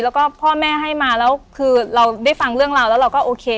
แล้วก็พ่อแม่ให้มาแล้วคือเราได้ฟังเรื่องราวแล้วเราก็โอเค